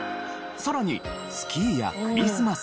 さらにスキーやクリスマスなどなど。